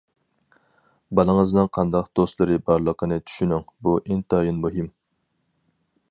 بالىڭىزنىڭ قانداق دوستلىرى بارلىقىنى چۈشىنىڭ، بۇ ئىنتايىن مۇھىم.